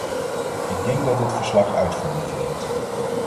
Ik denk dat dit verslag uitvoering verdient.